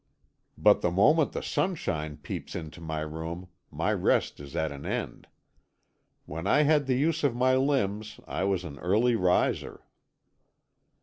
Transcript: But the moment the sunshine peeps into my room, my rest is at an end. When I had the use of my limbs I was an early riser."